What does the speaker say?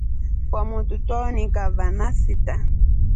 Kwamotru twawonika vana sita.